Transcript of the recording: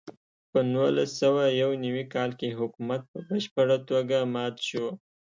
په نولس سوه یو نوي کال کې حکومت په بشپړه توګه مات شو.